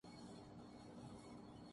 کنبہ کے ساتھ شمالی علاقوں کا سفر کرتے ہیں